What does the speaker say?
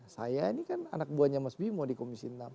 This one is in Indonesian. saya ini kan anak buahnya mas bimo di komisi enam